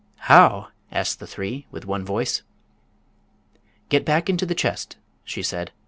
"How?" asked the three, with one voice. "Get back into the chest," she said.